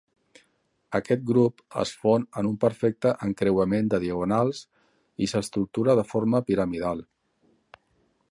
Aquest grup es fon en un perfecte encreuament de diagonals i s'estructura de forma piramidal.